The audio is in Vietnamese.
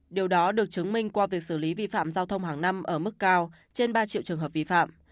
điều đó được chứng minh qua việc xử lý vi phạm giao thông hàng năm ở mức cao trên ba triệu trường hợp vi phạm